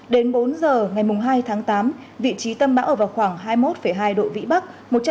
đến bốn giờ ngày hai tháng tám vị trí tâm bão ở vào khoảng hai mươi một hai độ vĩ bắc